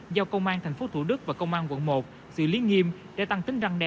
giao công an thành phố thủ đức và công an quận một xử lý nghiêm để tăng tính răng đe